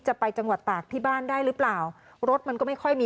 จะไปจังหวัดตากที่บ้านได้หรือเปล่ารถมันก็ไม่ค่อยมี